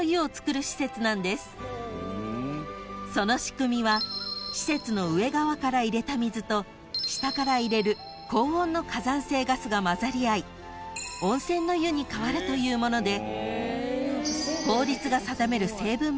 ［その仕組みは施設の上側から入れた水と下から入れる高温の火山性ガスがまざり合い温泉の湯に変わるというもので］